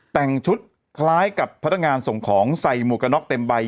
แต่งชุดคล้ายกับพนักงานส่งของใส่หมวกกระน็อกเต็มใบ